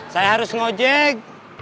saya harus nge jeg